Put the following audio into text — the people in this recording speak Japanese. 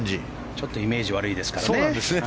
ちょっとイメージ悪いですからね。